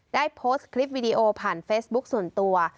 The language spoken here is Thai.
ได้โพสต์คลิปวิดีโอผ่านเฟซบุ๊คส่วนตัว